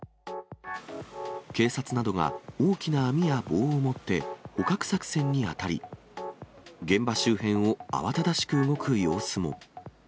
警察などが大きな網や棒を持って、捕獲作戦にあたり、現場周辺を慌ただしく動く様子も。